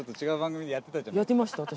やってました私。